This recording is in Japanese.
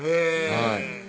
はい